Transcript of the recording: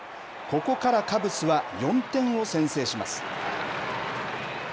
ここからカブスは４点を先制します。